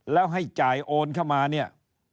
แล้วให้จ่ายโอนเข้ามาเนี่ย